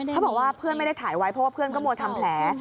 เขาบอกว่าเพื่อนไม่ได้ถ่ายไว้เพราะว่าเพื่อนก็มัวทำแผล